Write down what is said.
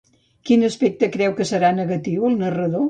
Quin aspecte creu que serà negatiu el narrador?